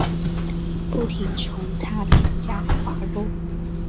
不停从她脸颊滑落